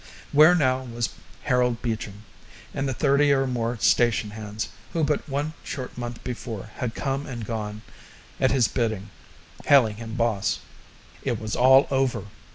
Where now was Harold Beecham and the thirty or more station hands, who but one short month before had come and gone at his bidding, hailing him boss? It was all over!